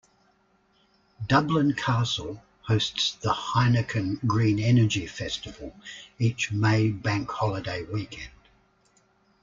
Dublin Castle hosts the Heineken Green Energy festival each May bank holiday weekend.